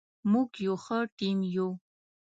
موږ یو ښه ټیم یو.